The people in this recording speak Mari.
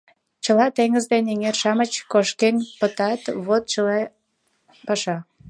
Чыла теҥыз ден эҥер-шамыч кошкен пытат — вот и чыла паша.